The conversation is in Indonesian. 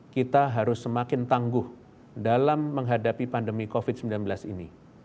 kita harus semakin tangguh dalam menghadapi pandemi covid sembilan belas ini